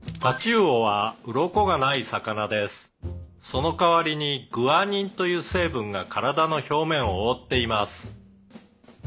「その代わりにグアニンという成分が体の表面を覆っています」